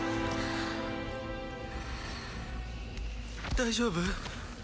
大丈夫？